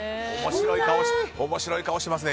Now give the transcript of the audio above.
面白い顔しますね。